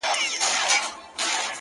كه څه هم تور پاته سم سپين نه سمه ـ